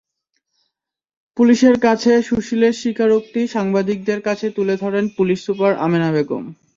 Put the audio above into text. পুলিশের কাছে সুশীলের স্বীকারোক্তি সাংবাদিকদের কাছে তুলে ধরেন পুলিশ সুপার আমেনা বেগম।